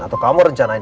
atau kamu rencanain